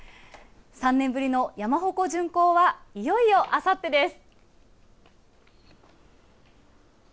３年ぶりの山鉾巡行はいよいよあさってです。